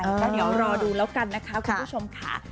ก็เดี๋ยวรอดูแล้วกันนะคะคุณผู้ชมค่ะ